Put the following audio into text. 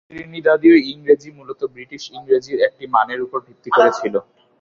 ত্রিনিদাদীয় ইংরেজি মূলত ব্রিটিশ ইংরেজির একটি মানের উপর ভিত্তি করে ছিল।